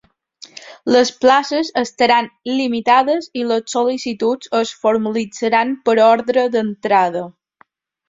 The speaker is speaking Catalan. Les places estaran limitades i les sol·licituds es formalitzaran per ordre d’entrada.